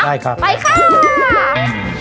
ได้ค่ะไปค่ะ